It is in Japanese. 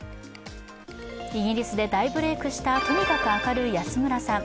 イギリスで大ブレークした、とにかく明るい安村さん。